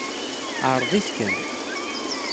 Ɛreḍ-it kan.